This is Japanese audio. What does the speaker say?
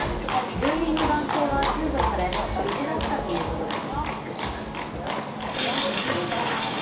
住人の男性は救助され無事だったということです。